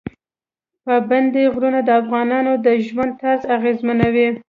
پابندی غرونه د افغانانو د ژوند طرز اغېزمنوي.